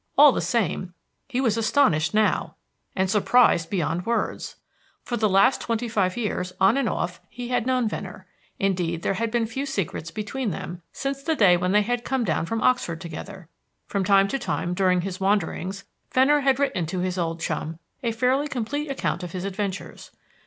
All the same, he was astonished now, and surprised beyond words. For the last twenty five years, on and off, he had known Venner. Indeed, there had been few secrets between them since the day when they had come down from Oxford together. From time to time, during his wanderings, Venner had written to his old chum a fairly complete account of his adventures.